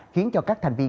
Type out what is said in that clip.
khiến cho các thành viên